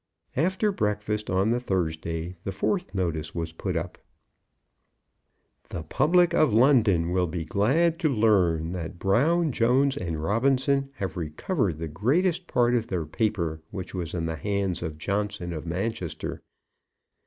After breakfast on the Thursday the fourth notice was put up: The public of London will be glad to learn that Brown, Jones, and Robinson have recovered the greatest part of their paper which was in the hands of Johnson of Manchester.